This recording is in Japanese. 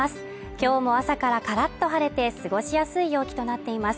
今日も朝からからっと晴れて過ごしやすい陽気となっています。